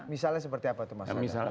misalnya seperti apa itu maksudnya